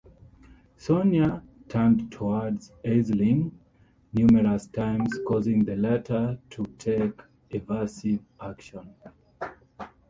"Sonia" turned towards "Aisling" numerous times causing the latter to take evasive action.